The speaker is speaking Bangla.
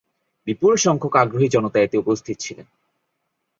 বিপুলসংখ্যক আগ্রহী জনতা এতে উপস্থিত ছিলেন।